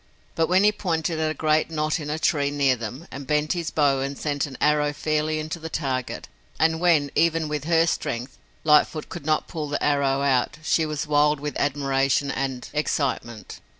But when he pointed at a great knot in a tree near them and bent his bow and sent an arrow fairly into the target, and when, even with her strength, Lightfoot could not pull the arrow out, she was wild with admiration and excitement.